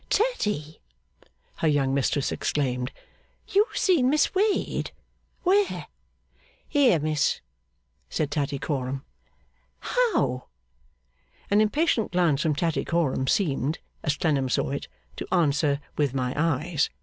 'Tatty!' her young mistress exclaimed. 'You seen Miss Wade? where?' 'Here, miss,' said Tattycoram. 'How?' An impatient glance from Tattycoram seemed, as Clennam saw it, to answer 'With my eyes!